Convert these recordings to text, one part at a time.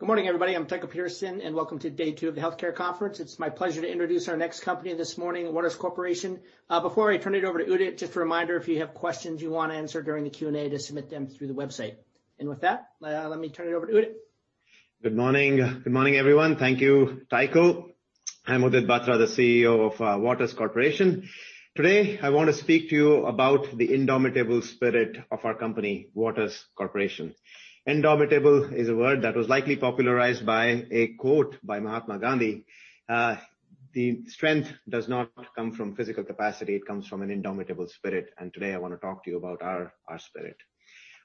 Good morning, everybody. I'm Tycho Peterson, and welcome to day two of the Healthcare Conference. It's my pleasure to introduce our next company this morning, Waters Corporation. Before I turn it over to Udit, just a reminder, if you have questions you want to answer during the Q&A, just submit them through the website, and with that, let me turn it over to Udit. Good morning. Good morning, everyone. Thank you, Tycho. I'm Udit Batra, the CEO of Waters Corporation. Today, I want to speak to you about the indomitable spirit of our company, Waters Corporation. Indomitable is a word that was likely popularized by a quote by Mahatma Gandhi, "The strength does not come from physical capacity. It comes from an indomitable spirit." And today, I want to talk to you about our spirit.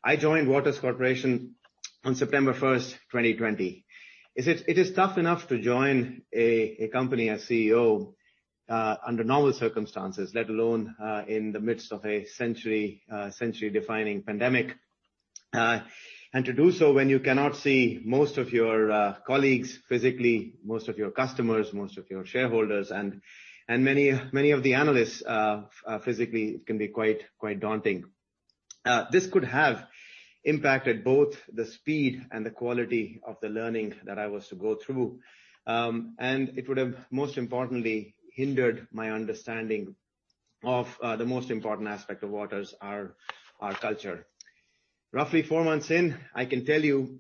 I joined Waters Corporation on September 1, 2020. It is tough enough to join a company as CEO under normal circumstances, let alone in the midst of a century-defining pandemic. And to do so, when you cannot see most of your colleagues physically, most of your customers, most of your shareholders, and many of the analysts physically, it can be quite daunting. This could have impacted both the speed and the quality of the learning that I was to go through, and it would have, most importantly, hindered my understanding of the most important aspect of Waters, our culture. Roughly four months in, I can tell you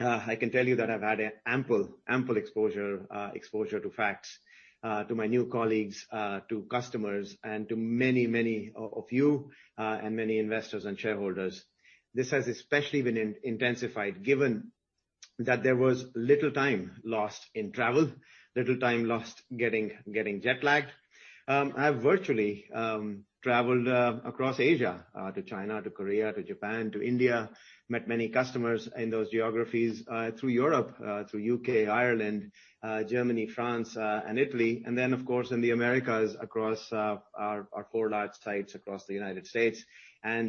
I can tell you that I've had ample exposure to facts, to my new colleagues, to customers, and to many, many of you, and many investors and shareholders. This has especially been intensified, given that there was little time lost in travel, little time lost getting jet lagged. I've virtually traveled across Asia to China, to Korea, to Japan, to India, met many customers in those geographies through Europe, through the U.K., Ireland, Germany, France, and Italy, and then, of course, in the Americas across our four large sites across the United States, and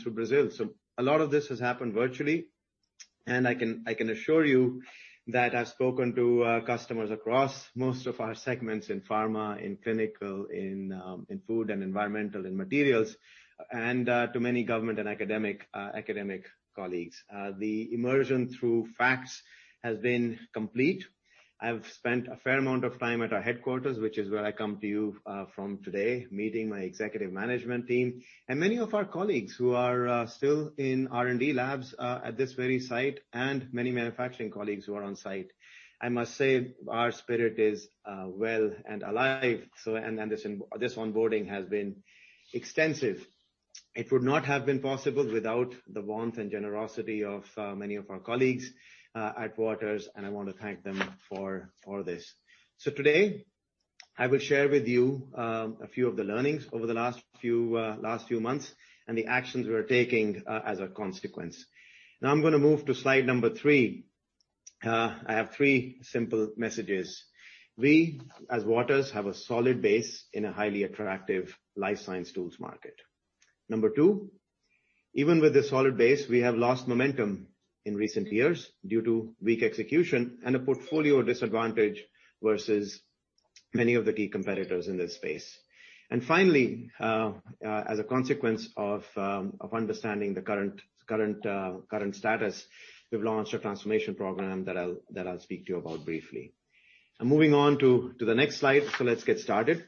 through Brazil, so a lot of this has happened virtually. I can assure you that I've spoken to customers across most of our segments in pharma, in clinical, in food, and environmental, in materials, and to many government and academic colleagues. The immersion through facts has been complete. I've spent a fair amount of time at our headquarters, which is where I come to you from today, meeting my executive management team, and many of our colleagues who are still in R&D labs at this very site, and many manufacturing colleagues who are on site. I must say, our spirit is well and alive. And this onboarding has been extensive. It would not have been possible without the warmth and generosity of many of our colleagues at Waters. And I want to thank them for this. Today, I will share with you a few of the learnings over the last few months and the actions we're taking as a consequence. Now, I'm going to move to slide number three. I have three simple messages. We, as Waters, have a solid base in a highly attractive life science tools market. Number two, even with a solid base, we have lost momentum in recent years due to weak execution and a portfolio disadvantage versus many of the key competitors in this space. And finally, as a consequence of understanding the current status, we've launched a transformation program that I'll speak to you about briefly. I'm moving on to the next slide. So let's get started.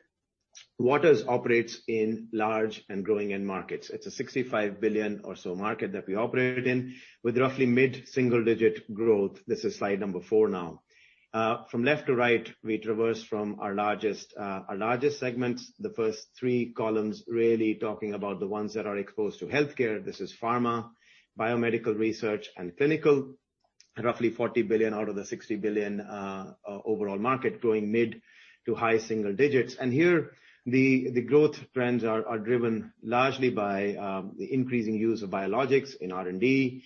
Waters operates in large and growing end markets. It's a $65 billion or so market that we operate in, with roughly mid-single-digit growth. This is slide number four now. From left to right, we traverse from our largest segments, the first three columns really talking about the ones that are exposed to healthcare. This is pharma, biomedical research, and clinical, roughly $40 billion out of the $60 billion overall market, growing mid to high single digits, and here, the growth trends are driven largely by the increasing use of biologics in R&D,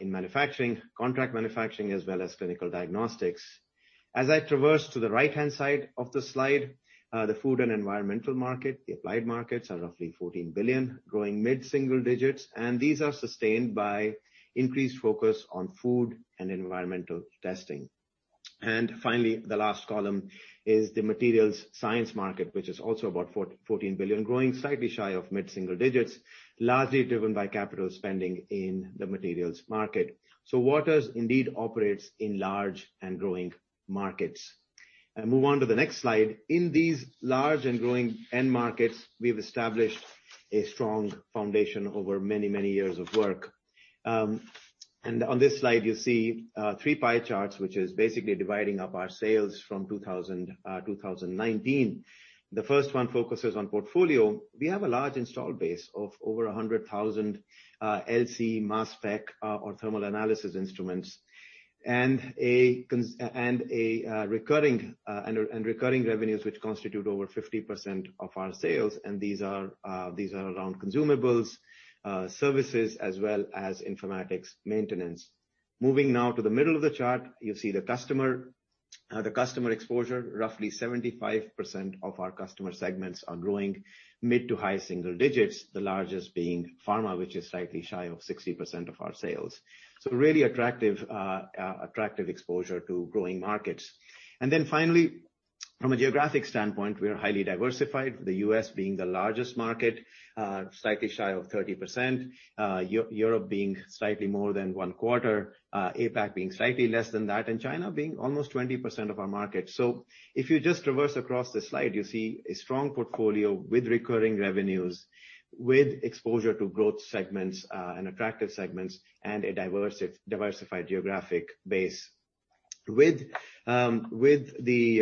in manufacturing, contract manufacturing, as well as clinical diagnostics. As I traverse to the right-hand side of the slide, the food and environmental market, the applied markets are roughly $14 billion, growing mid-single digits, and these are sustained by increased focus on food and environmental testing. Finally, the last column is the materials science market, which is also about $14 billion, growing slightly shy of mid-single digits, largely driven by capital spending in the materials market. So Waters indeed operates in large and growing markets. I move on to the next slide. In these large and growing end markets, we've established a strong foundation over many, many years of work. And on this slide, you see three pie charts, which is basically dividing up our sales from 2019. The first one focuses on portfolio. We have a large installed base of over 100,000 LC mass spec or thermal analysis instruments and recurring revenues, which constitute over 50% of our sales. And these are around consumables, services, as well as informatics maintenance. Moving now to the middle of the chart, you see the customer exposure. Roughly 75% of our customer segments are growing mid to high single digits, the largest being pharma, which is slightly shy of 60% of our sales. So really attractive exposure to growing markets. And then finally, from a geographic standpoint, we are highly diversified, the U.S. being the largest market, slightly shy of 30%, Europe being slightly more than one quarter, APAC being slightly less than that, and China being almost 20% of our market. So if you just traverse across the slide, you see a strong portfolio with recurring revenues, with exposure to growth segments and attractive segments, and a diversified geographic base. With the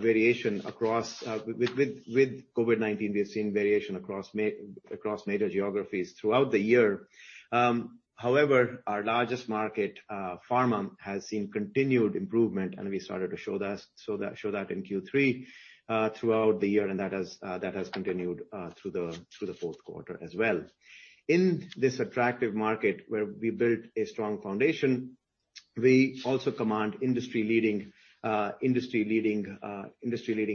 variation across with COVID-19, we've seen variation across major geographies throughout the year. However, our largest market, pharma, has seen continued improvement. And we started to show that in Q3 throughout the year. And that has continued through the fourth quarter as well. In this attractive market, where we built a strong foundation, we also command industry-leading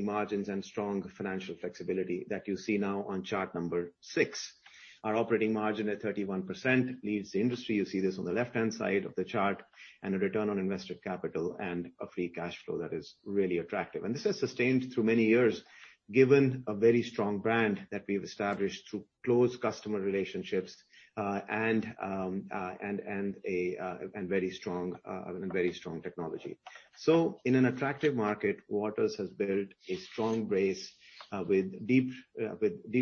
margins and strong financial flexibility that you see now on chart number six. Our operating margin at 31% leads the industry. You see this on the left-hand side of the chart and a return on invested capital and a free cash flow that is really attractive, and this has sustained through many years, given a very strong brand that we've established through close customer relationships and very strong technology, so in an attractive market, Waters has built a strong base with deep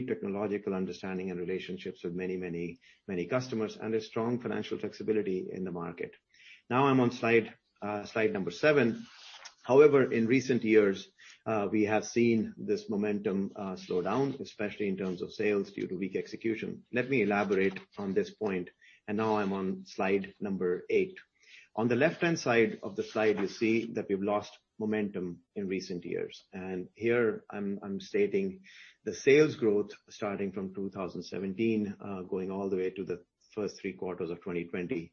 technological understanding and relationships with many, many customers and a strong financial flexibility in the market. Now I'm on slide number seven. However, in recent years, we have seen this momentum slow down, especially in terms of sales due to weak execution. Let me elaborate on this point, and now I'm on slide number eight. On the left-hand side of the slide, you see that we've lost momentum in recent years. Here, I'm stating the sales growth starting from 2017, going all the way to the first three quarters of 2020.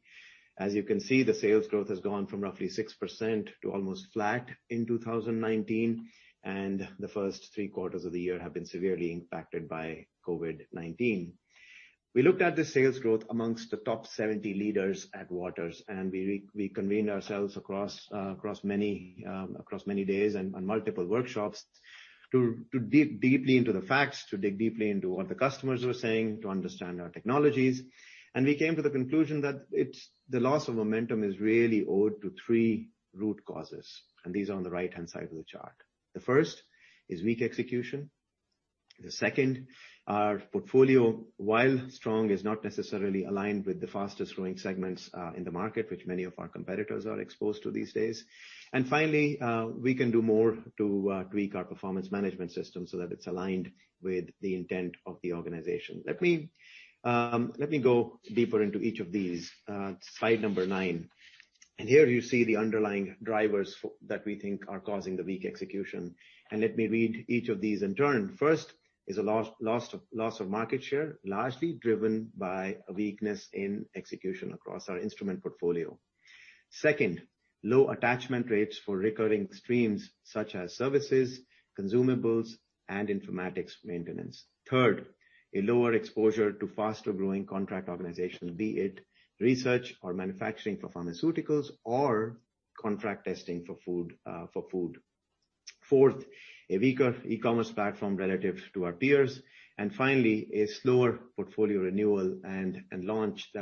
As you can see, the sales growth has gone from roughly 6% to almost flat in 2019. The first three quarters of the year have been severely impacted by COVID-19. We looked at the sales growth amongst the top 70 leaders at Waters. We convened ourselves across many days and multiple workshops to dig deeply into the facts, to dig deeply into what the customers were saying, to understand our technologies. We came to the conclusion that the loss of momentum is really owed to three root causes. These are on the right-hand side of the chart. The first is weak execution. The second, our portfolio, while strong, is not necessarily aligned with the fastest growing segments in the market, which many of our competitors are exposed to these days. And finally, we can do more to tweak our performance management system so that it's aligned with the intent of the organization. Let me go deeper into each of these. Slide number nine. And here, you see the underlying drivers that we think are causing the weak execution. And let me read each of these in turn. First is a loss of market share, largely driven by a weakness in execution across our instrument portfolio. Second, low attachment rates for recurring streams, such as services, consumables, and informatics maintenance. Third, a lower exposure to faster growing contract organization, be it research or manufacturing for pharmaceuticals or contract testing for food. Fourth, a weaker e-commerce platform relative to our peers. And finally, a slower portfolio renewal and launches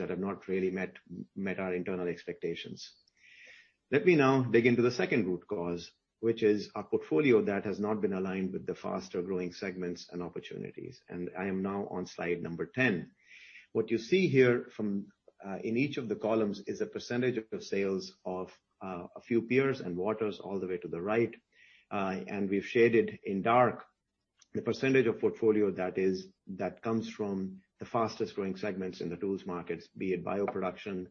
that have not really met our internal expectations. Let me now dig into the second root cause, which is our portfolio that has not been aligned with the faster growing segments and opportunities. And I am now on slide number 10. What you see here in each of the columns is a percentage of sales of a few peers and Waters all the way to the right. And we've shaded in dark the percentage of portfolio that comes from the fastest growing segments in the tools markets, be it bioproduction,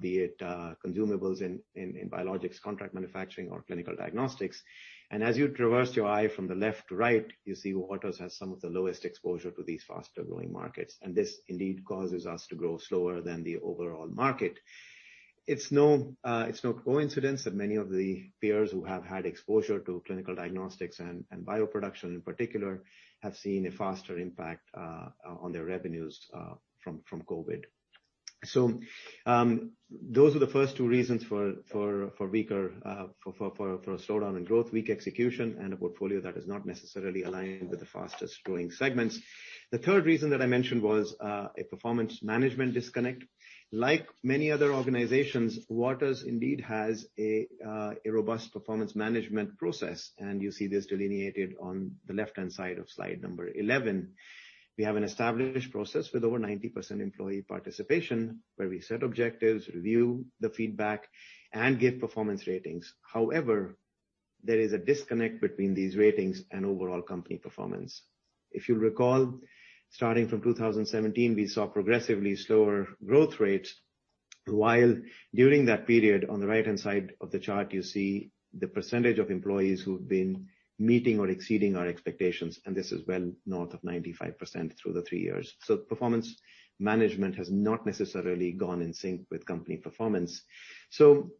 be it consumables in biologics, contract manufacturing, or clinical diagnostics. And as you traverse your eye from the left to right, you see Waters has some of the lowest exposure to these faster growing markets. And this indeed causes us to grow slower than the overall market. It's no coincidence that many of the peers who have had exposure to clinical diagnostics and bioproduction in particular have seen a faster impact on their revenues from COVID. So those are the first two reasons for weaker for a slowdown in growth, weak execution, and a portfolio that is not necessarily aligned with the fastest growing segments. The third reason that I mentioned was a performance management disconnect. Like many other organizations, Waters indeed has a robust performance management process. And you see this delineated on the left-hand side of slide number 11. We have an established process with over 90% employee participation, where we set objectives, review the feedback, and give performance ratings. However, there is a disconnect between these ratings and overall company performance. If you'll recall, starting from 2017, we saw progressively slower growth rates. While during that period, on the right-hand side of the chart, you see the percentage of employees who've been meeting or exceeding our expectations, and this is well north of 95% through the three years, so performance management has not necessarily gone in sync with company performance, so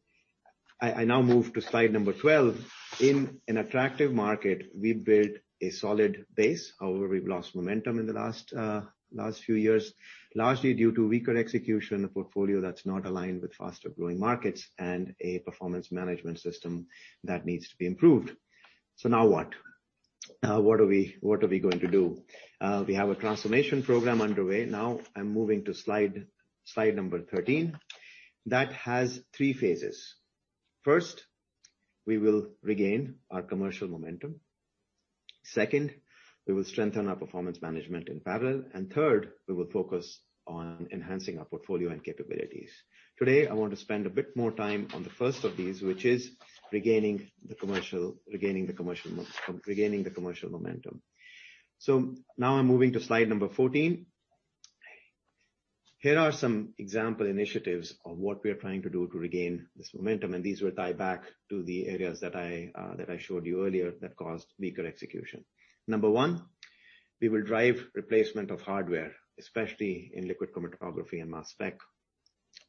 I now move to slide number 12. In an attractive market, we build a solid base. However, we've lost momentum in the last few years, largely due to weaker execution, a portfolio that's not aligned with faster growing markets, and a performance management system that needs to be improved, so now what? What are we going to do? We have a transformation program underway. Now I'm moving to slide number 13. That has three phases. First, we will regain our commercial momentum. Second, we will strengthen our performance management in parallel, and third, we will focus on enhancing our portfolio and capabilities. Today, I want to spend a bit more time on the first of these, which is regaining the commercial momentum, so now I'm moving to slide number 14. Here are some example initiatives of what we are trying to do to regain this momentum, and these will tie back to the areas that I showed you earlier that caused weaker execution. Number one, we will drive replacement of hardware, especially in liquid chromatography and mass spec.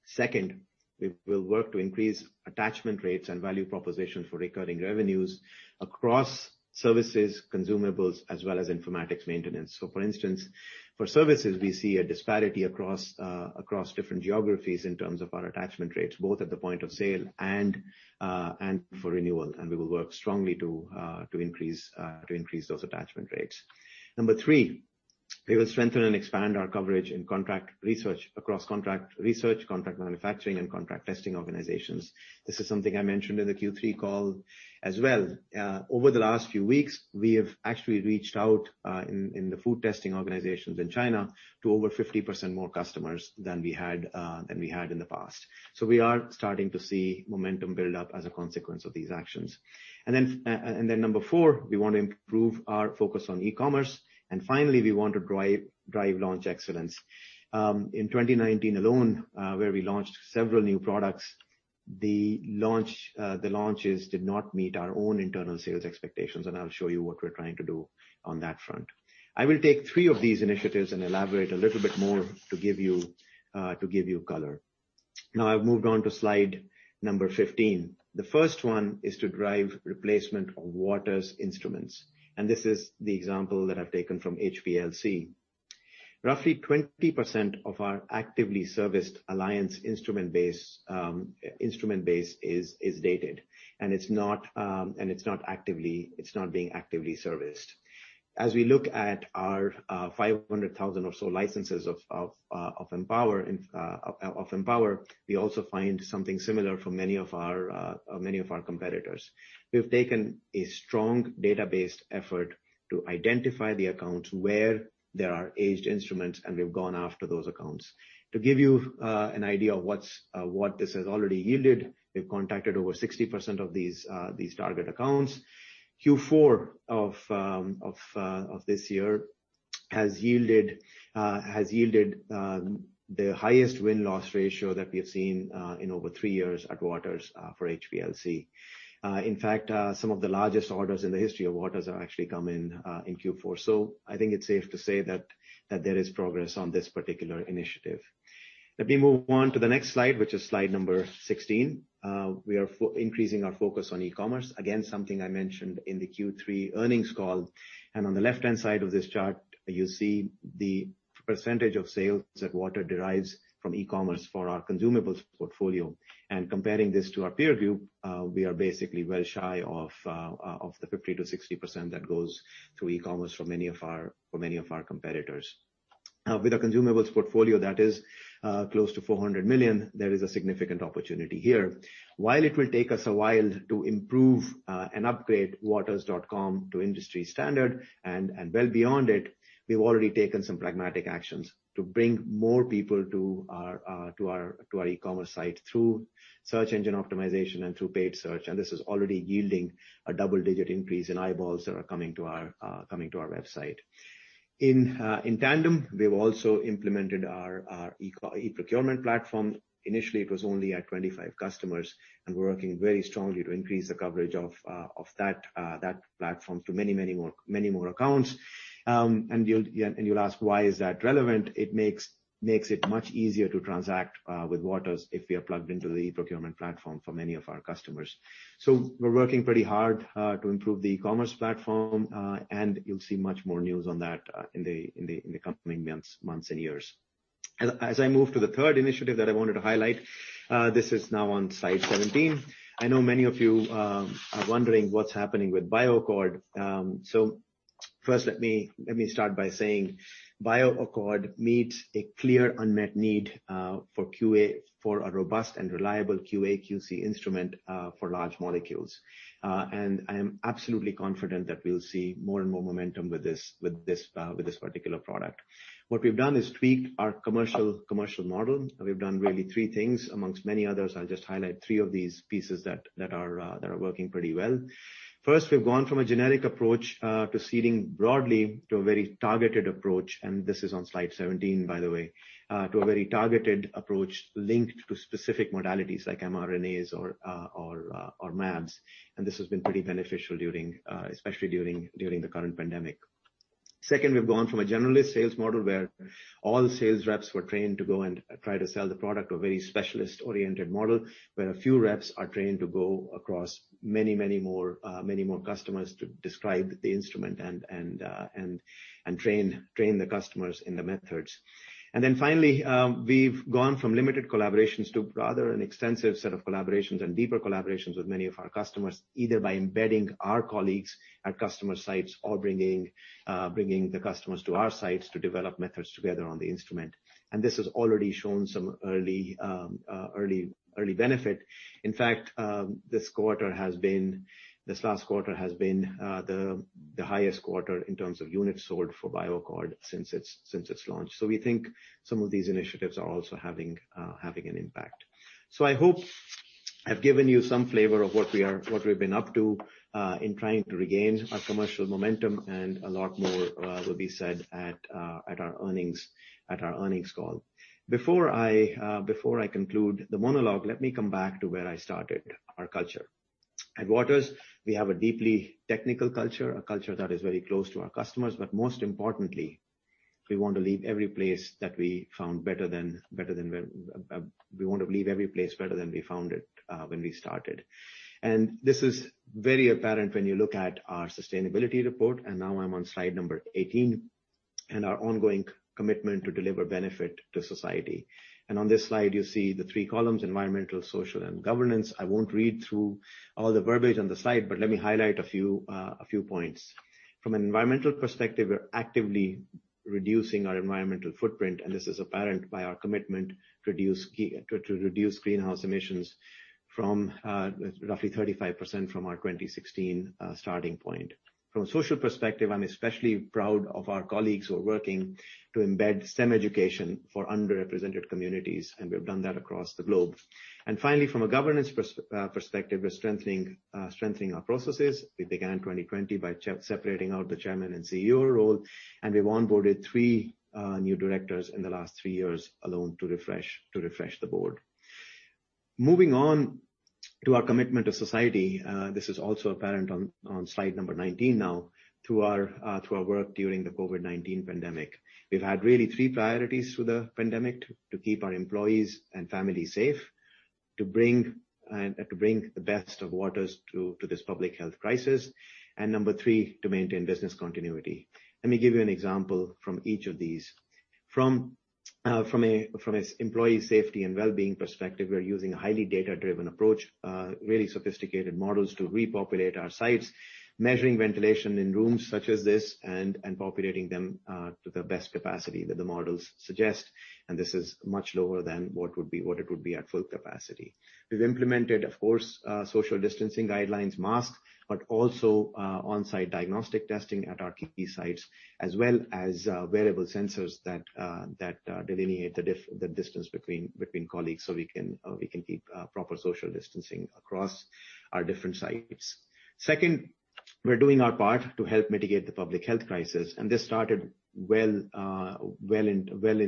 Second, we will work to increase attachment rates and value propositions for recurring revenues across services, consumables, as well as informatics maintenance. So for instance, for services, we see a disparity across different geographies in terms of our attachment rates, both at the point of sale and for renewal, and we will work strongly to increase those attachment rates. Number three, we will strengthen and expand our coverage in contract research across contract research, contract manufacturing, and contract testing organizations. This is something I mentioned in the Q3 call as well. Over the last few weeks, we have actually reached out to the food testing organizations in China to over 50% more customers than we had in the past. So we are starting to see momentum build up as a consequence of these actions. And then number four, we want to improve our focus on e-commerce. And finally, we want to drive launch excellence. In 2019 alone, when we launched several new products, the launches did not meet our own internal sales expectations. And I'll show you what we're trying to do on that front. I will take three of these initiatives and elaborate a little bit more to give you color. Now I've moved on to slide number 15. The first one is to drive replacement of Waters instruments. And this is the example that I've taken from HPLC. Roughly 20% of our actively serviced Alliance instrument base is dated. And it's not actively being serviced. As we look at our 500,000 or so licenses of Empower, we also find something similar for many of our competitors. We've taken a strong data-based effort to identify the accounts where there are aged instruments, and we've gone after those accounts. To give you an idea of what this has already yielded, we've contacted over 60% of these target accounts. Q4 of this year has yielded the highest win-loss ratio that we have seen in over three years at Waters for HPLC. In fact, some of the largest orders in the history of Waters have actually come in Q4. So I think it's safe to say that there is progress on this particular initiative. Let me move on to the next slide, which is slide number 16. We are increasing our focus on e-commerce. Again, something I mentioned in the Q3 earnings call. And on the left-hand side of this chart, you see the percentage of sales that Waters derives from e-commerce for our consumables portfolio. And comparing this to our peer group, we are basically well shy of the 50%-60% that goes through e-commerce for many of our competitors. With a consumables portfolio that is close to $400 million, there is a significant opportunity here. While it will take us a while to improve and upgrade waters.com to industry standard and well beyond it, we've already taken some pragmatic actions to bring more people to our e-commerce site through search engine optimization and through paid search. And this is already yielding a double-digit increase in eyeballs that are coming to our website. In tandem, we've also implemented our e-procurement platform. Initially, it was only at 25 customers. And we're working very strongly to increase the coverage of that platform to many, many more accounts. And you'll ask, why is that relevant? It makes it much easier to transact with Waters if we are plugged into the e-procurement platform for many of our customers. So we're working pretty hard to improve the e-commerce platform. And you'll see much more news on that in the coming months and years. As I move to the third initiative that I wanted to highlight, this is now on slide 17. I know many of you are wondering what's happening with BioAccord. First, let me start by saying BioAccord meets a clear unmet need for a robust and reliable QA/QC instrument for large molecules. And I am absolutely confident that we'll see more and more momentum with this particular product. What we've done is tweaked our commercial model. We've done really three things. Amongst many others, I'll just highlight three of these pieces that are working pretty well. First, we've gone from a generic approach to seeding broadly to a very targeted approach. And this is on slide 17, by the way, to a very targeted approach linked to specific modalities like mRNAs or mAbs. And this has been pretty beneficial, especially during the current pandemic. Second, we've gone from a generalist sales model where all sales reps were trained to go and try to sell the product to a very specialist-oriented model, where a few reps are trained to go across many, many more customers to describe the instrument and train the customers in the methods. Then finally, we've gone from limited collaborations to rather an extensive set of collaborations and deeper collaborations with many of our customers, either by embedding our colleagues at customer sites or bringing the customers to our sites to develop methods together on the instrument. This has already shown some early benefit. In fact, this last quarter has been the highest quarter in terms of units sold for BioAccord since its launch. We think some of these initiatives are also having an impact. I hope I've given you some flavor of what we've been up to in trying to regain our commercial momentum. A lot more will be said at our earnings call. Before I conclude the monologue, let me come back to where I started, our culture. At Waters, we have a deeply technical culture, a culture that is very close to our customers. But most importantly, we want to leave every place better than we found it when we started. This is very apparent when you look at our sustainability report. Now I'm on slide number 18 and our ongoing commitment to deliver benefit to society. On this slide, you see the three columns: environmental, social, and governance. I won't read through all the verbiage on the slide, but let me highlight a few points. From an environmental perspective, we're actively reducing our environmental footprint, and this is apparent by our commitment to reduce greenhouse emissions from roughly 35% from our 2016 starting point. From a social perspective, I'm especially proud of our colleagues who are working to embed STEM education for underrepresented communities, and we've done that across the globe. And finally, from a governance perspective, we're strengthening our processes. We began 2020 by separating out the chairman and CEO role, and we've onboarded three new directors in the last three years alone to refresh the board. Moving on to our commitment to society, this is also apparent on slide number 19 now, through our work during the COVID-19 pandemic. We've had really three priorities through the pandemic: to keep our employees and family safe, to bring the best of Waters to this public health crisis, and number three, to maintain business continuity. Let me give you an example from each of these. From an employee safety and well-being perspective, we're using a highly data-driven approach, really sophisticated models to repopulate our sites, measuring ventilation in rooms such as this and populating them to the best capacity that the models suggest, and this is much lower than what it would be at full capacity. We've implemented, of course, social distancing guidelines, masks, but also on-site diagnostic testing at our key sites, as well as wearable sensors that delineate the distance between colleagues so we can keep proper social distancing across our different sites. Second, we're doing our part to help mitigate the public health crisis, and this started well in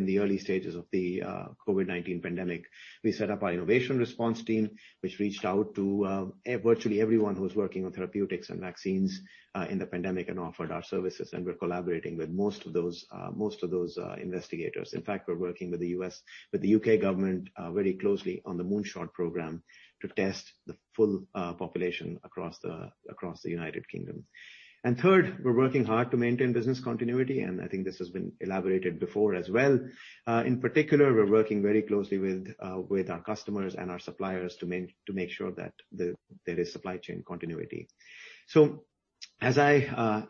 the early stages of the COVID-19 pandemic. We set up our innovation response team, which reached out to virtually everyone who was working on therapeutics and vaccines in the pandemic and offered our services. And we're collaborating with most of those investigators. In fact, we're working with the U.K. government very closely on the Moonshot program to test the full population across the United Kingdom. And third, we're working hard to maintain business continuity. And I think this has been elaborated before as well. In particular, we're working very closely with our customers and our suppliers to make sure that there is supply chain continuity. So as I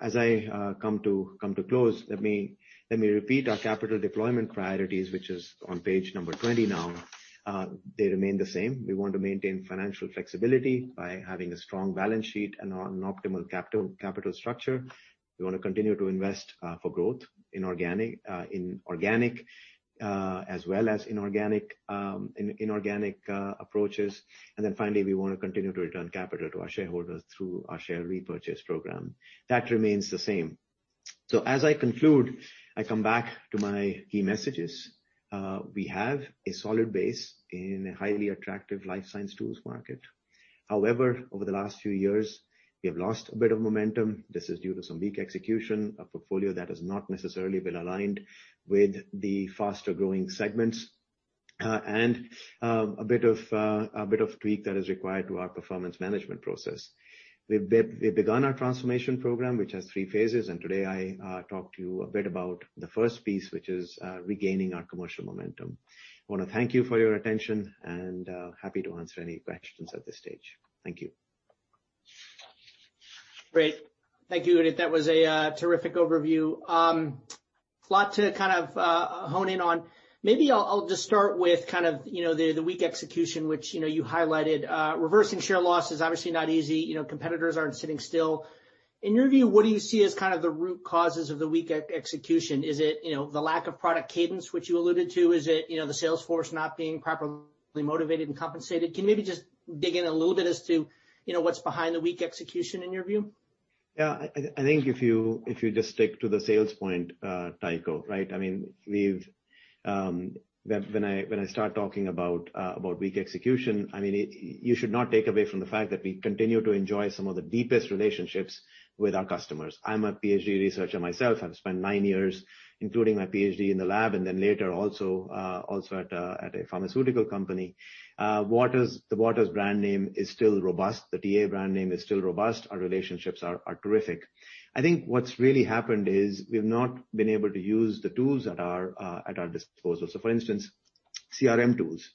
come to close, let me repeat our capital deployment priorities, which is on page number 20 now. They remain the same. We want to maintain financial flexibility by having a strong balance sheet and an optimal capital structure. We want to continue to invest for growth in organic as well as inorganic approaches, and then finally, we want to continue to return capital to our shareholders through our share repurchase program. That remains the same, so as I conclude, I come back to my key messages. We have a solid base in a highly attractive life science tools market. However, over the last few years, we have lost a bit of momentum. This is due to some weak execution, a portfolio that has not necessarily been aligned with the faster-growing segments, and a bit of tweak that is required to our performance management process. We've begun our transformation program, which has three phases, and today, I talked to you a bit about the first piece, which is regaining our commercial momentum. I want to thank you for your attention and happy to answer any questions at this stage. Thank you. Great. Thank you, Udit. That was a terrific overview. A lot to kind of hone in on. Maybe I'll just start with kind of the weak execution, which you highlighted. Reversing share loss is obviously not easy. Competitors aren't sitting still. In your view, what do you see as kind of the root causes of the weak execution? Is it the lack of product cadence, which you alluded to? Is it the sales force not being properly motivated and compensated? Can you maybe just dig in a little bit as to what's behind the weak execution in your view? Yeah. I think if you just stick to the sales point, Tycho, right? I mean, when I start talking about weak execution, I mean, you should not take away from the fact that we continue to enjoy some of the deepest relationships with our customers. I'm a PhD researcher myself. I've spent nine years, including my PhD in the lab and then later also at a pharmaceutical company. The Waters brand name is still robust. The TA brand name is still robust. Our relationships are terrific. I think what's really happened is we've not been able to use the tools at our disposal. So for instance, CRM tools.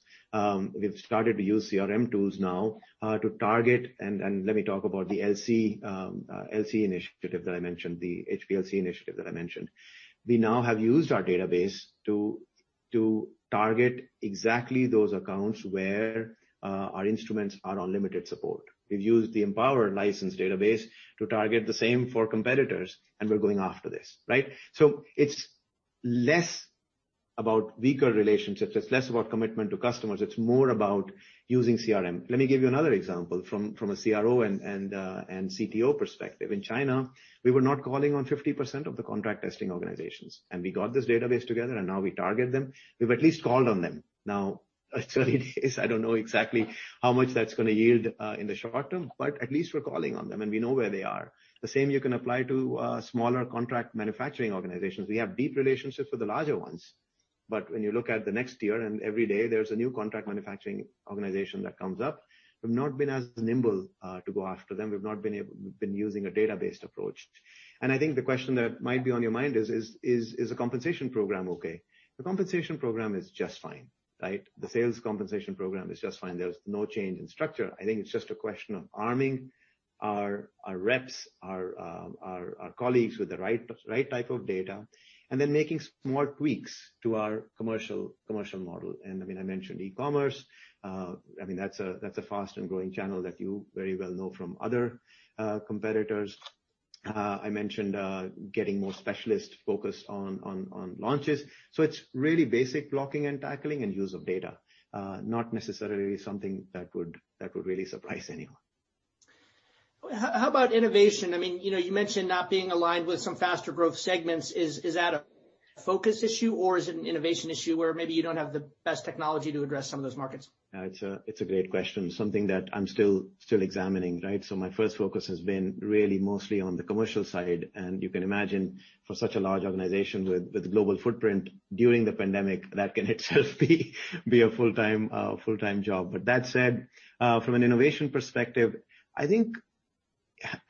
We've started to use CRM tools now to target, and let me talk about the LC initiative that I mentioned, the HPLC initiative that I mentioned. We now have used our database to target exactly those accounts where our instruments are on limited support. We've used the Empower license database to target the same for competitors, and we're going after this, right? So it's less about weaker relationships. It's less about commitment to customers. It's more about using CRM. Let me give you another example from a CRO and CTO perspective. In China, we were not calling on 50% of the contract testing organizations, and we got this database together, and now we target them. We've at least called on them. Now, it's early days. I don't know exactly how much that's going to yield in the short term, but at least we're calling on them, and we know where they are. The same you can apply to smaller contract manufacturing organizations. We have deep relationships with the larger ones, but when you look at the next year, and every day, there's a new contract manufacturing organization that comes up, we've not been as nimble to go after them. We've not been using a database approach, and I think the question that might be on your mind is, is the compensation program okay? The compensation program is just fine, right? The sales compensation program is just fine. There's no change in structure. I think it's just a question of arming our reps, our colleagues with the right type of data, and then making small tweaks to our commercial model. And I mean, I mentioned e-commerce. I mean, that's a fast and growing channel that you very well know from other competitors. I mentioned getting more specialists focused on launches. So it's really basic blocking and tackling and use of data, not necessarily something that would really surprise anyone. How about innovation? I mean, you mentioned not being aligned with some faster-growth segments. Is that a focus issue, or is it an innovation issue where maybe you don't have the best technology to address some of those markets? It's a great question. Something that I'm still examining, right? My first focus has been really mostly on the commercial side. And you can imagine, for such a large organization with a global footprint during the pandemic, that can itself be a full-time job. But that said, from an innovation perspective, I think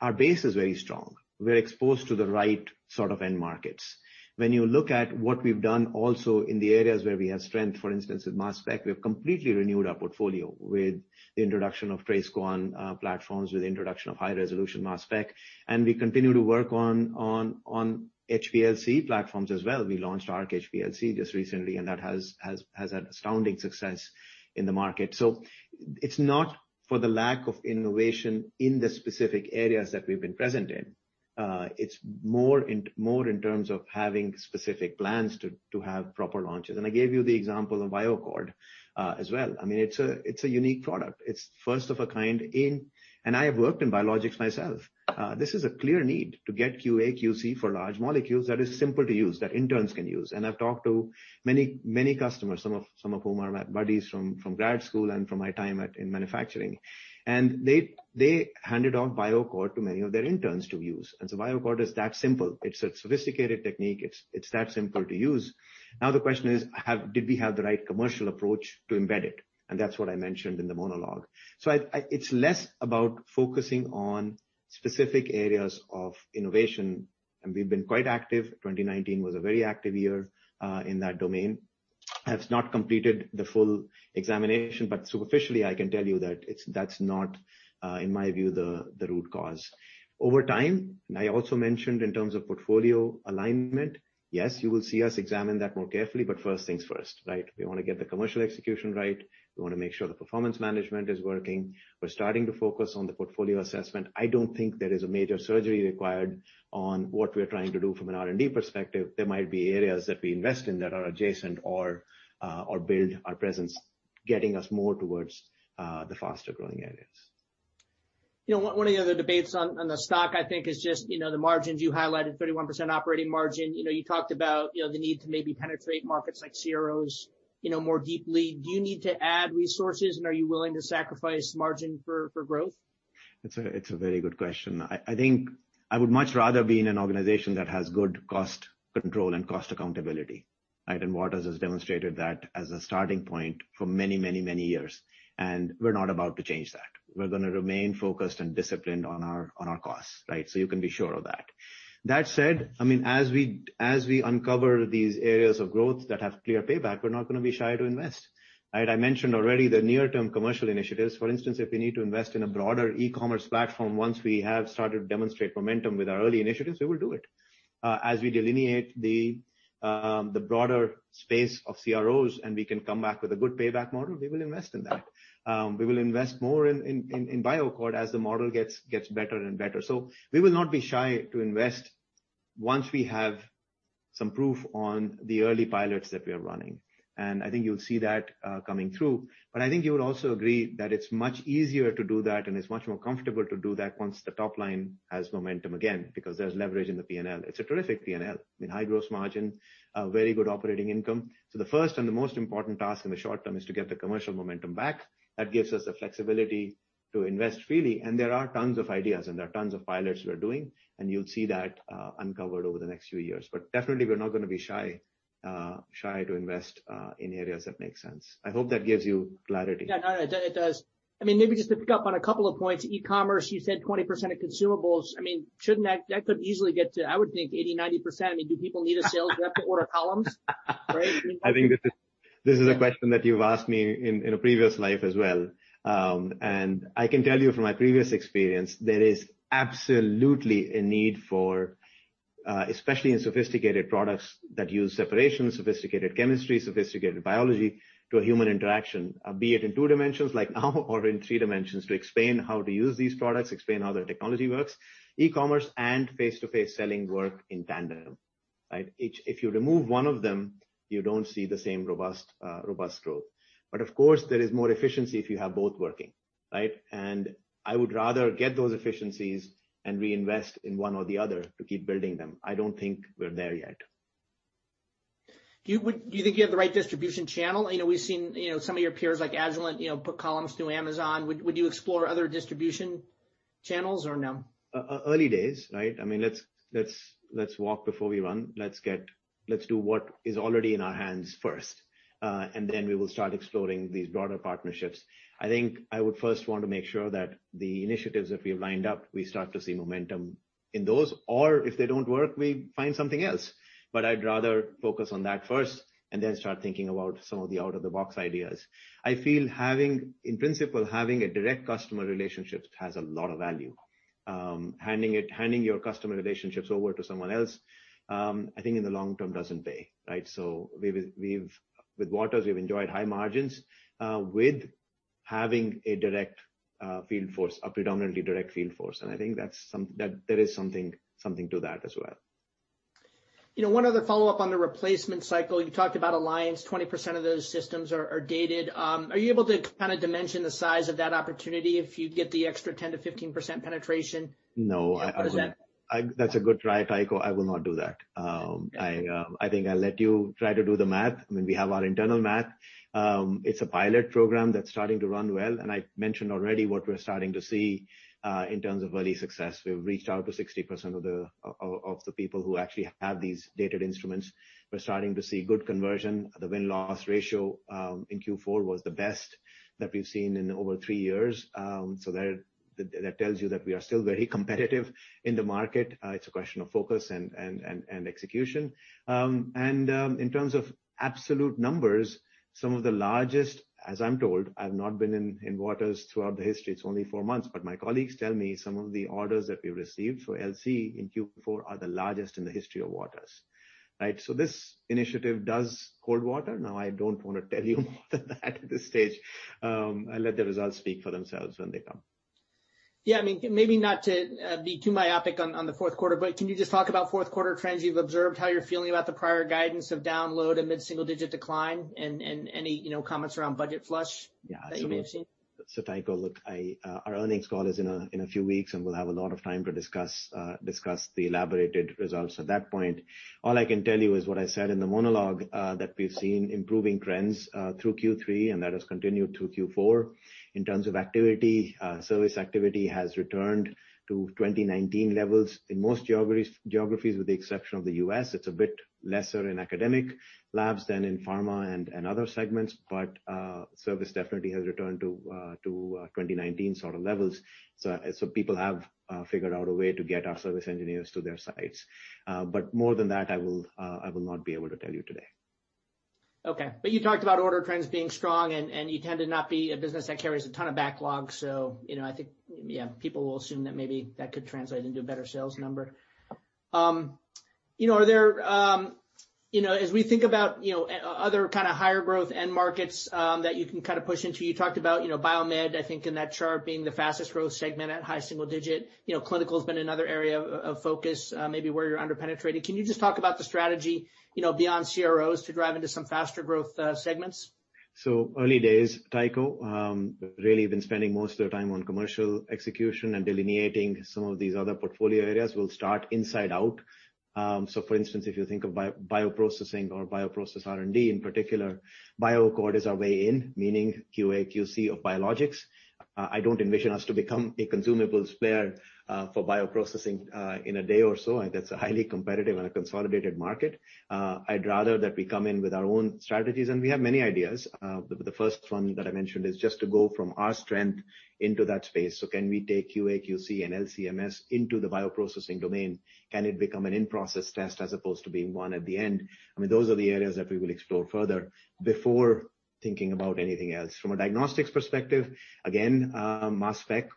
our base is very strong. We're exposed to the right sort of end markets. When you look at what we've done also in the areas where we have strength, for instance, with mass spec, we have completely renewed our portfolio with the introduction of TraceQuant platforms, with the introduction of high-resolution mass spec. We continue to work on HPLC platforms as well. We launched Arc HPLC just recently, and that has had astounding success in the market. It's not for the lack of innovation in the specific areas that we've been present in. It's more in terms of having specific plans to have proper launches. And I gave you the example of BioAccord as well. I mean, it's a unique product. It's first of a kind. And I have worked in biologics myself. This is a clear need to get QA/QC for large molecules that is simple to use, that interns can use. And I've talked to many customers, some of whom are my buddies from grad school and from my time in manufacturing. And they handed off BioAccord to many of their interns to use. And so BioAccord is that simple. It's a sophisticated technique. It's that simple to use. Now, the question is, did we have the right commercial approach to embed it? And that's what I mentioned in the monologue. So it's less about focusing on specific areas of innovation. And we've been quite active. 2019 was a very active year in that domain. I've not completed the full examination, but superficially, I can tell you that that's not, in my view, the root cause. Over time, and I also mentioned in terms of portfolio alignment, yes, you will see us examine that more carefully, but first things first, right? We want to get the commercial execution right. We want to make sure the performance management is working. We're starting to focus on the portfolio assessment. I don't think there is a major surgery required on what we're trying to do from an R&D perspective. There might be areas that we invest in that are adjacent or build our presence, getting us more towards the faster-growing areas. One of the debates on the stock, I think, is just the margins you highlighted, 31% operating margin. You talked about the need to maybe penetrate markets like CROs more deeply. Do you need to add resources, and are you willing to sacrifice margin for growth? It's a very good question. I think I would much rather be in an organization that has good cost control and cost accountability, right? And Waters has demonstrated that as a starting point for many, many, many years. And we're not about to change that. We're going to remain focused and disciplined on our costs, right? So you can be sure of that. That said, I mean, as we uncover these areas of growth that have clear payback, we're not going to be shy to invest, right? I mentioned already the near-term commercial initiatives. For instance, if we need to invest in a broader e-commerce platform once we have started to demonstrate momentum with our early initiatives, we will do it. As we delineate the broader space of CROs and we can come back with a good payback model, we will invest in that. We will invest more in BioAccord as the model gets better and better. So we will not be shy to invest once we have some proof on the early pilots that we are running. And I think you'll see that coming through. But I think you would also agree that it's much easier to do that, and it's much more comfortable to do that once the top line has momentum again because there's leverage in the P&L. It's a terrific P&L. I mean, high gross margin, very good operating income. So the first and the most important task in the short term is to get the commercial momentum back. That gives us the flexibility to invest freely. And there are tons of ideas, and there are tons of pilots we're doing. And you'll see that uncovered over the next few years. But definitely, we're not going to be shy to invest in areas that make sense. I hope that gives you clarity. Yeah, no, it does. I mean, maybe just to pick up on a couple of points, e-commerce, you said 20% of consumables. I mean, that could easily get to, I would think, 80%-90%. I mean, do people need a sales rep to order columns, right? I think this is a question that you've asked me in a previous life as well. I can tell you from my previous experience, there is absolutely a need for, especially in sophisticated products that use separation, sophisticated chemistry, sophisticated biology to a human interaction, be it in two dimensions like now or in three dimensions to explain how to use these products, explain how their technology works, e-commerce and face-to-face selling work in tandem, right? If you remove one of them, you don't see the same robust growth. But of course, there is more efficiency if you have both working, right? And I would rather get those efficiencies and reinvest in one or the other to keep building them. I don't think we're there yet. Do you think you have the right distribution channel? We've seen some of your peers like Agilent put columns through Amazon. Would you explore other distribution channels or no? Early days, right? I mean, let's walk before we run. Let's do what is already in our hands first, and then we will start exploring these broader partnerships. I think I would first want to make sure that the initiatives that we have lined up, we start to see momentum in those. Or if they don't work, we find something else. But I'd rather focus on that first and then start thinking about some of the out-of-the-box ideas. I feel in principle, having a direct customer relationship has a lot of value. Handing your customer relationships over to someone else, I think in the long term doesn't pay, right? So with Waters, we've enjoyed high margins with having a predominantly direct field force. And I think there is something to that as well. One other follow-up on the replacement cycle. You talked about Alliance. 20% of those systems are dated. Are you able to kind of dimension the size of that opportunity if you get the extra 10%-15% penetration? No, that's a good try, Tycho. I will not do that. I think I'll let you try to do the math. I mean, we have our internal math. It's a pilot program that's starting to run well. And I mentioned already what we're starting to see in terms of early success. We've reached out to 60% of the people who actually have these dated instruments. We're starting to see good conversion. The win-loss ratio in Q4 was the best that we've seen in over three years. So that tells you that we are still very competitive in the market. It's a question of focus and execution. And in terms of absolute numbers, some of the largest, as I'm told, I've not been in Waters throughout the history. It's only four months. But my colleagues tell me some of the orders that we've received for LC in Q4 are the largest in the history of Waters, right? So this initiative does hold water. Now, I don't want to tell you more than that at this stage. I'll let the results speak for themselves when they come. Yeah, I mean, maybe not to be too myopic on the fourth quarter, but can you just talk about fourth quarter trends you've observed, how you're feeling about the prior guidance of downward amid single-digit decline and any comments around budget flush that you may have seen? So, Tycho, look, our earnings call is in a few weeks, and we'll have a lot of time to discuss the elaborated results at that point. All I can tell you is what I said in the monologue that we've seen improving trends through Q3, and that has continued through Q4. In terms of activity, service activity has returned to 2019 levels in most geographies with the exception of the U.S. It's a bit lesser in academic labs than in pharma and other segments, but service definitely has returned to 2019 sort of levels. So people have figured out a way to get our service engineers to their sites. But more than that, I will not be able to tell you today. Okay. But you talked about order trends being strong, and you tend to not be a business that carries a ton of backlog. So I think, yeah, people will assume that maybe that could translate into a better sales number. Are there, as we think about other kind of higher growth end markets that you can kind of push into? You talked about Biomed, I think, in that chart being the fastest growth segment at high single digit. Clinical has been another area of focus maybe where you're underpenetrating. Can you just talk about the strategy beyond CROs to drive into some faster-growth segments? So, early days, Tycho, really been spending most of the time on commercial execution and delineating some of these other portfolio areas. We'll start inside out. So, for instance, if you think of bioprocessing or bioprocess R&D in particular, BioAccord is our way in, meaning QA/QC of biologics. I don't envision us to become a consumables player for bioprocessing in a day or so. I think that's a highly competitive and a consolidated market. I'd rather that we come in with our own strategies, and we have many ideas. The first one that I mentioned is just to go from our strength into that space. So can we take QA/QC, and LCMS into the bioprocessing domain? Can it become an in-process test as opposed to being one at the end? I mean, those are the areas that we will explore further before thinking about anything else. From a diagnostics perspective, again, mass spec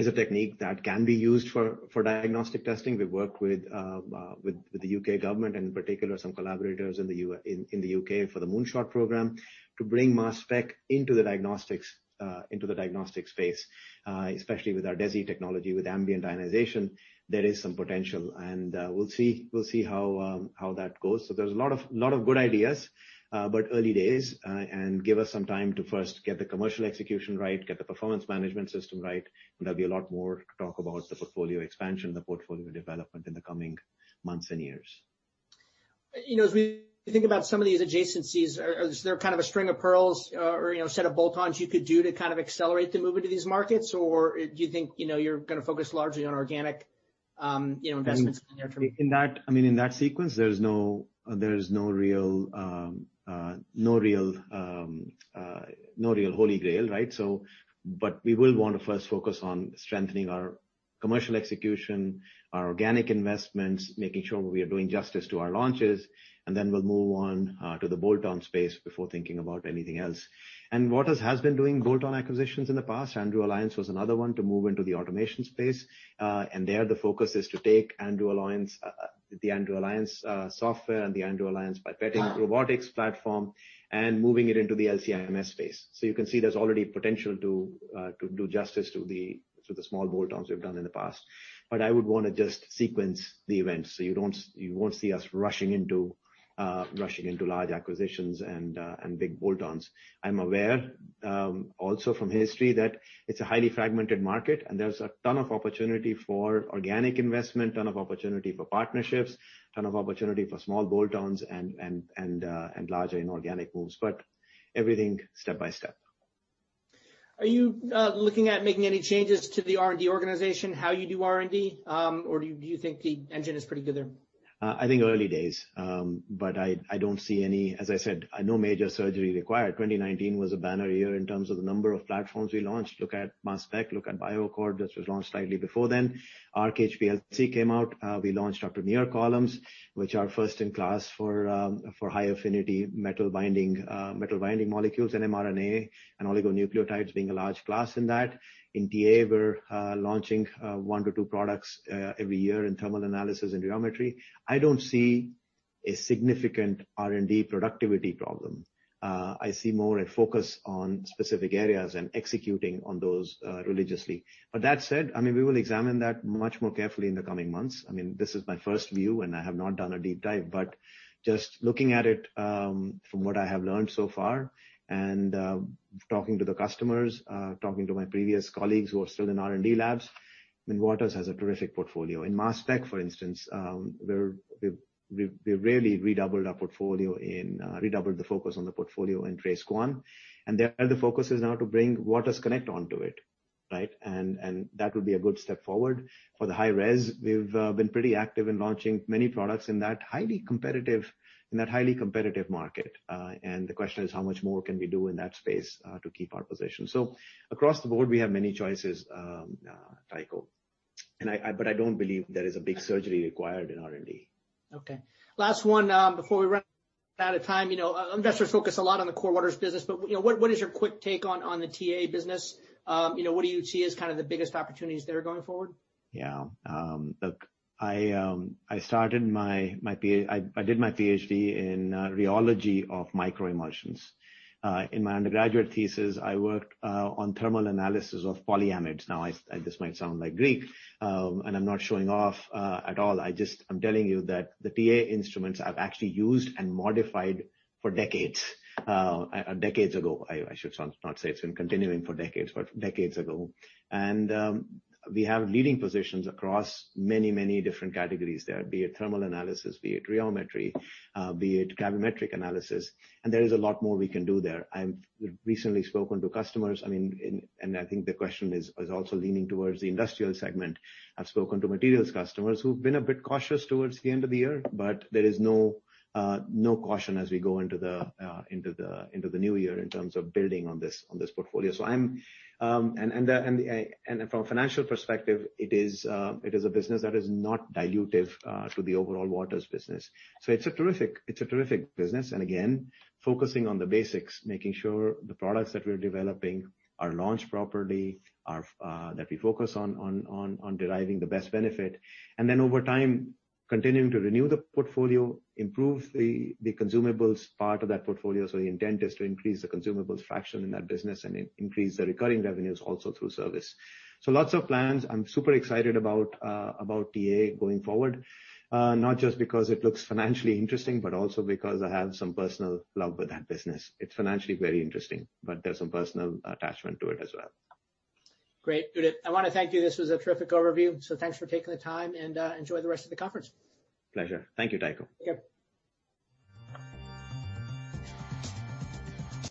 is a technique that can be used for diagnostic testing. We've worked with the U.K. government and, in particular, some collaborators in the U.K. for the Moonshot program to bring mass spec into the diagnostics space, especially with our DESI technology with ambient ionization. There is some potential, and we'll see how that goes. So, there's a lot of good ideas, but early days, and give us some time to first get the commercial execution right, get the performance management system right. And there'll be a lot more to talk about the portfolio expansion, the portfolio development in the coming months and years. As we think about some of these adjacencies, they're kind of a string of pearls or a set of bolt-ons you could do to kind of accelerate the move into these markets, or do you think you're going to focus largely on organic investments in the near term? I mean, in that sequence, there's no real holy grail, right? But we will want to first focus on strengthening our commercial execution, our organic investments, making sure we are doing justice to our launches. And then we'll move on to the bolt-on space before thinking about anything else. And Waters has been doing bolt-on acquisitions in the past. Andrew Alliance was another one to move into the automation space. And there, the focus is to take the Andrew Alliance software and the Andrew Alliance Pipetting Robotics platform and moving it into the LCMS space. So you can see there's already potential to do justice to the small bolt-ons we've done in the past. But I would want to just sequence the events so you won't see us rushing into large acquisitions and big bolt-ons. I'm aware also from history that it's a highly fragmented market, and there's a ton of opportunity for organic investment, a ton of opportunity for partnerships, a ton of opportunity for small bolt-ons and larger inorganic moves, but everything step by step. Are you looking at making any changes to the R&D organization, how you do R&D, or do you think the engine is pretty good there? I think early days, but I don't see any, as I said, no major surgery required. 2019 was a banner year in terms of the number of platforms we launched. Look at mass spec, look at BioAccord, which was launched slightly before then. Arc HPLC came out. We launched Premier columns, which are first-in-class for high-affinity metal-binding molecules and mRNA and oligonucleotides being a large class in that. In TA, we're launching one to two products every year in thermal analysis and rheometry. I don't see a significant R&D productivity problem. I see more a focus on specific areas and executing on those religiously. But that said, I mean, we will examine that much more carefully in the coming months. I mean, this is my first view, and I have not done a deep dive, but just looking at it from what I have learned so far and talking to the customers, talking to my previous colleagues who are still in R&D labs, I mean, Waters has a terrific portfolio. In mass spec, for instance, we really redoubled our portfolio and redoubled the focus on the portfolio in Trace Quant. And the focus is now to bring Waters Connect onto it, right? And that would be a good step forward. For the high-res, we've been pretty active in launching many products in that highly competitive market. And the question is, how much more can we do in that space to keep our position? So across the board, we have many choices, Tycho, but I don't believe there is a big surgery required in R&D. Okay. Last one before we run out of time. Investors focus a lot on the core Waters business, but what is your quick take on the TA business? What do you see as kind of the biggest opportunities there going forward? Yeah. Look, I did my PhD in rheology of microemulsions. In my undergraduate thesis, I worked on thermal analysis of polyamides. Now, this might sound like Greek, and I'm not showing off at all. I'm telling you that the TA instruments I've actually used and modified for decades ago. I should not say it's been continuing for decades, but decades ago. And we have leading positions across many, many different categories there, be it thermal analysis, be it rheometry, be it gravimetric analysis. And there is a lot more we can do there. I've recently spoken to customers, I mean, and I think the question is also leaning towards the industrial segment. I've spoken to materials customers who've been a bit cautious towards the end of the year, but there is no caution as we go into the new year in terms of building on this portfolio. And from a financial perspective, it is a business that is not dilutive to the overall Waters business. So it's a terrific business. And again, focusing on the basics, making sure the products that we're developing are launched properly, that we focus on deriving the best benefit, and then over time, continuing to renew the portfolio, improve the consumables part of that portfolio. So the intent is to increase the consumables fraction in that business and increase the recurring revenues also through service. So lots of plans. I'm super excited about TA going forward, not just because it looks financially interesting, but also because I have some personal love with that business. It's financially very interesting, but there's some personal attachment to it as well. Great. I want to thank you. This was a terrific overview. So thanks for taking the time, and enjoy the rest of the conference. Pleasure. Thank you, Tycho. Take care.